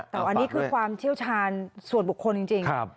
แต่อันนี้คือความเชี่ยวชาญส่วนบุคคลจริง